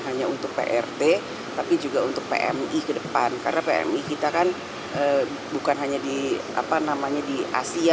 hanya untuk prt tapi juga untuk pmi ke depan karena pmi kita kan bukan hanya di apa namanya di asia